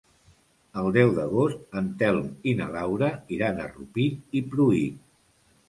El deu d'agost en Telm i na Laura iran a Rupit i Pruit.